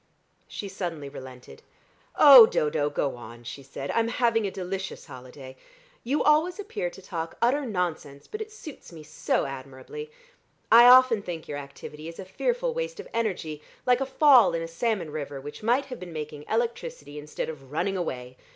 She suddenly relented. "Oh, Dodo, go on!" she said. "I'm having a delicious holiday. You always appear to talk utter nonsense, but it suits me so admirably. I often think your activity is a fearful waste of energy, like a fall in a salmon river which might have been making electricity instead of running away.